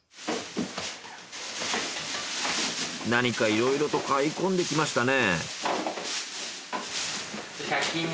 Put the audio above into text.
何かいろいろと買い込んできましたね。